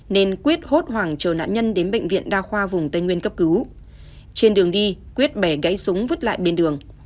nên quyết hốt hoảng chờ nạn nhân đến bệnh viện đa khoa vùng tây nguyên cấp cứu trên đường đi quyết bẻ gãy súng vứt lại bên đường